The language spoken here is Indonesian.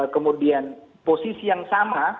kemudian posisi yang sama